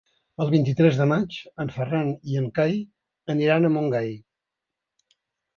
El vint-i-tres de maig en Ferran i en Cai aniran a Montgai.